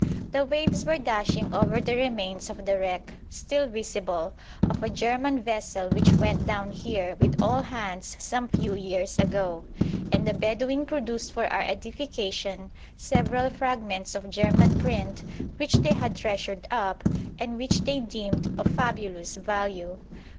The waves were dashing over the remains of the wreck, still visible, of a German vessel which went down here with all hands some few years ago, and the Bedouin produced for our edification several fragments of German print, which they had treasured up, and which they deemed of fabulous value.